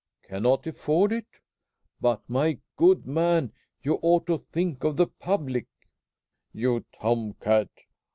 "Cannot afford it? But, my good man, you ought to think of the public." "You tom cat!